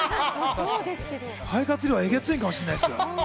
肺活量、えげつねぇかもしれないです。